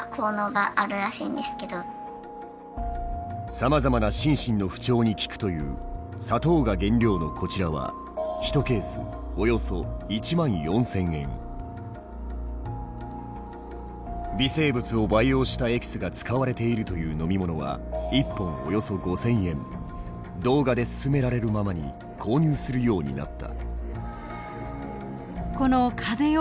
さまざまな心身の不調に効くという砂糖が原料のこちらは微生物を培養したエキスが使われているという飲み物は動画で勧められるままに購入するようになった。